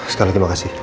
sekali lagi makasih